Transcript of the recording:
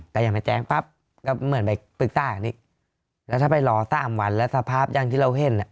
ก็ยังไม่แจ้งปั๊บก็เหมือนไปปรึกษาอย่างนี้แล้วถ้าไปรอสามวันแล้วสภาพอย่างที่เราเห็นอ่ะ